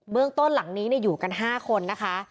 เมืองต้นหลังนี้อยู่กัน๕คนนะคะ